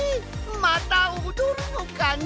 またおどるのかね！？